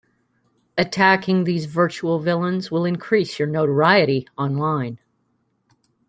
Attacking these virtual villains will increase your notoriety online.